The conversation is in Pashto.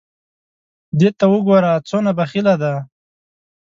دې ته وګوره څونه بخیله ده !